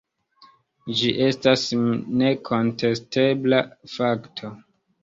Ĝi estas nekontestebla fakto.